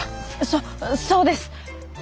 そそうです！